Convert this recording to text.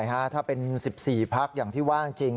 ถ้าเป็น๑๔พักอย่างที่ว่าจริง